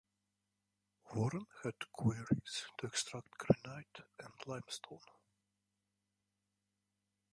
Warren had quarries to extract granite and limestone.